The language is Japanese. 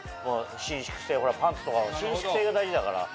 伸縮性ほらパンツとかは伸縮性が大事だから。